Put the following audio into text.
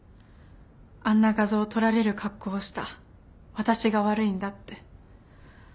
あんな画像を撮られる格好をした私が悪いんだって。